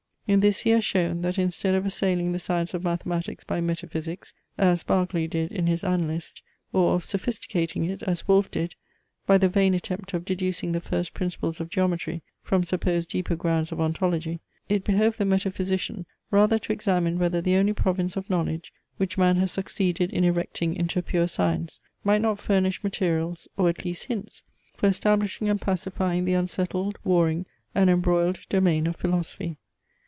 In this he has shown, that instead of assailing the science of mathematics by metaphysics, as Berkeley did in his ANALYST, or of sophisticating it, as Wolf did, by the vain attempt of deducing the first principles of geometry from supposed deeper grounds of ontology, it behoved the metaphysician rather to examine whether the only province of knowledge, which man has succeeded in erecting into a pure science, might not furnish materials, or at least hints, for establishing and pacifying the unsettled, warring, and embroiled domain of philosophy.